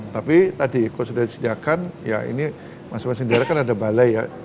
tapi tadi kalau sudah disediakan ya ini masing masing daerah kan ada balai ya